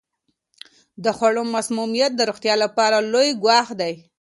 د خوړو مسمومیت د روغتیا لپاره لوی ګواښ دی.